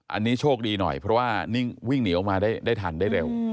อันนี้โชคดีหน่อยเพราะว่านิ่งวิ่งหนีออกมาได้ทันได้เร็ว